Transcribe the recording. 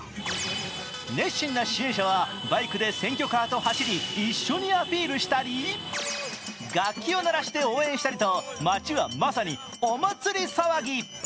熱心な支援者はバイクで選挙カーと走り一緒にアピールしたり楽器を鳴らして応援したりと町はまさにお祭り騒ぎ。